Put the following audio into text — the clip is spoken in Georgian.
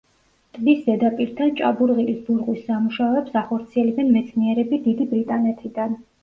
ტბის ზედაპირთან ჭაბურღილის ბურღვის სამუშაოებს ახორციელებენ მეცნიერები დიდი ბრიტანეთიდან.